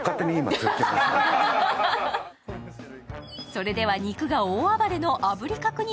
それでは、肉が大暴れの炙り角煮